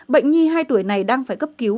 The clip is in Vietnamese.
bệnh nhi hai tuổi này đang phải cấp cứu